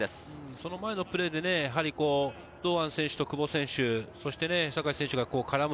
その前のプレーで堂安選手と久保選手、酒井選手が絡む。